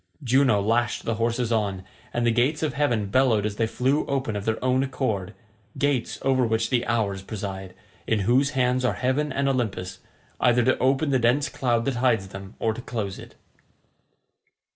Juno lashed the horses on, and the gates of heaven bellowed as they flew open of their own accord—gates over which the Hours preside, in whose hands are Heaven and Olympus, either to open the dense cloud that hides them, or to close it.